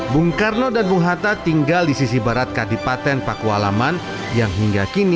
bung karno dan bung hatta tinggal di sisi barat kadipaten pakualaman